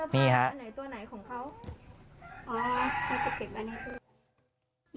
นี่ครับ